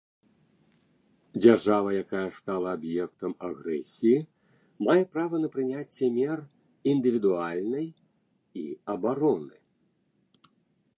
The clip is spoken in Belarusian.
Дзяржава, якая стала аб'ектам агрэсіі, мае права на прыняцце мер індывідуальнай і абароны.